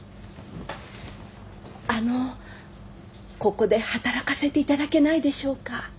あのここで働かせていただけないでしょうか。